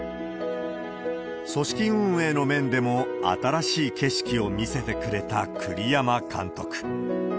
組織運営の面でも、新しい景色を見せてくれた栗山監督。